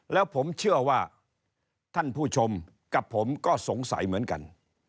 แล้วผมเชื่อว่าท่านผู้ชมกับผมก็สงสัยเหมือนกัน